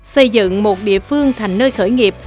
xây dựng một địa phương thành nơi khởi nghiệp